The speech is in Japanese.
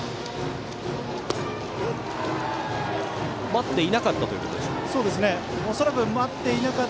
待っていなかったということでしょうか。